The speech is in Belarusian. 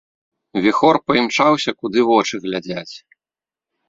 Віхор паімчаўся, куды вочы глядзяць.